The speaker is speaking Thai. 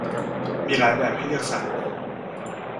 มีหลายแบบให้เลือกสรร